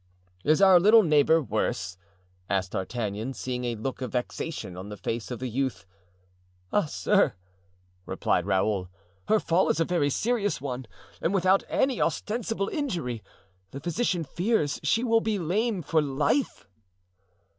"Is our little neighbor worse?" asked D'Artagnan, seeing a look of vexation on the face of the youth. "Ah, sir!" replied Raoul, "her fall is a very serious one, and without any ostensible injury, the physician fears she will be lame for life."